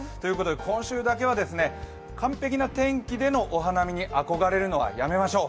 今週だけは、完璧な天気でのお花見に憧れるのはやめましょう。